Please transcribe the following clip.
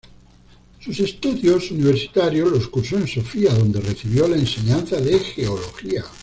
Sus estudios universitarios los cursó en Sofia, donde recibió la enseñanza de geología.